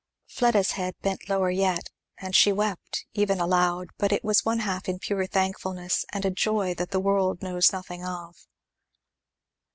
Fleda's head bent lower yet, and she wept, even aloud, but it was one half in pure thankfulness and a joy that the world knows nothing of.